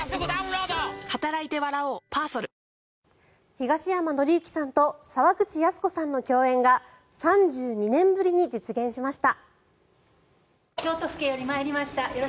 東山紀之さんと沢口靖子さんの共演が３２年ぶりに実現しました。